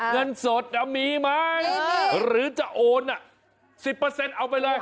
เงินสดมีไหมหรือจะโอน๑๐เอาไปเลย